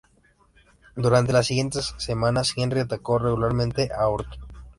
Durante las siguientes semanas, Henry atacó regularmente a Orton.